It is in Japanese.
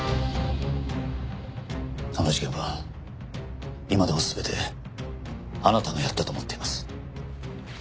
あの事件は今でも全てあなたがやったと思っています。